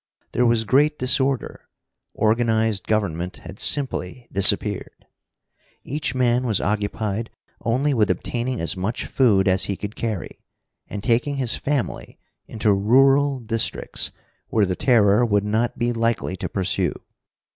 There was great disorder. Organized government had simply disappeared. Each man was occupied only with obtaining as much food as he could carry, and taking his family into rural districts where the Terror would not be likely to pursue.